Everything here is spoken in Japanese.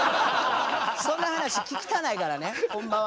そんな話聞きたないからねほんまは。